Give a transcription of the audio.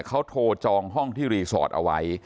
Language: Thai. เขาโทรจองห้องที่รีสอร์ทเอาไว้